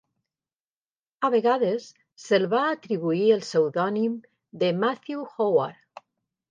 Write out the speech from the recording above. A vegades se'l va atribuir el pseudònim de Matthew Howard.